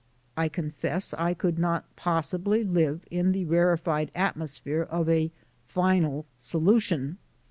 I confess I could not possibly live in the rarefied atmosphere of a final solution.